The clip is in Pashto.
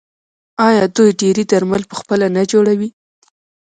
آیا دوی ډیری درمل پخپله نه جوړوي؟